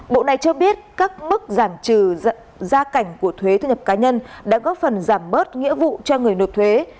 bộ này cho biết các mức giảm trừ gia cảnh của thuế thu nhập cá nhân đã góp phần giảm bớt nghĩa vụ cho người nộp thuế